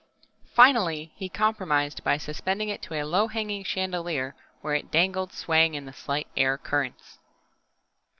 Finally he compromised by suspending it to a low hanging chandelier, where it dangled swaying in the slight air currents.